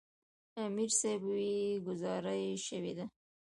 امیر صېب وې " ګذاره ئې شوې ده ـ